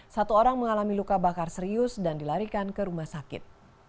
satu orang mengalami luka bakar serius dan dilarikan ke rumah sakit